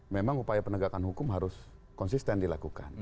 memang upaya penegakan hukum harus konsisten dilakukan